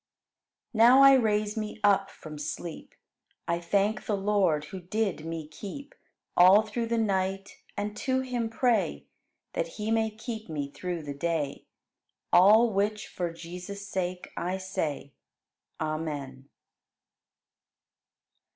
3. Now I raise me up from sleep, I thank the Lord who did me keep, All through the night; and to Him pray That He may keep me through the day. All which for Jesus' sake, I say. Amen.